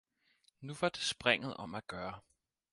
Nu var det springet om at gøre.